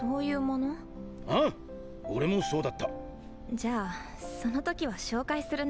じゃあその時は紹介するね。